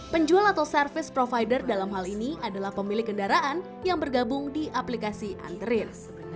penjual atau service provider dalam hal ini adalah pemilik kendaraan yang bergabung di aplikasi anterin